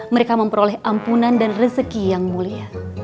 mereka memperoleh ampunan dan rezeki yang mulia